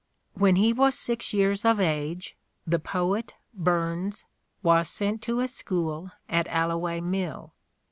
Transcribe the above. " When he was six years of age the poet (Burns) was sent to a school at Alloway Mill.